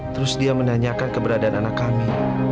terus dia menanyakan keberadaan anak kami